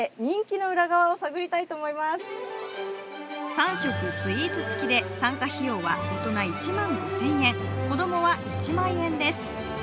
３食スイーツ付きで参加費用は大人１万５０００円、子供は１万円です。